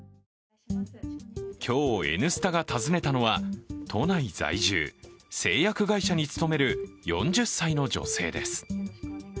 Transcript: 今日、「Ｎスタ」が訪ねたのは都内在住、製薬会社に勤める４０歳の女性です。